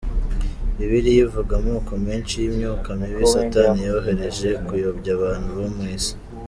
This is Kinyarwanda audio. Bibiliya ivuga amoko menshi y’imyuka mibi Satani yohereje kuyobya abantu bo mu isi.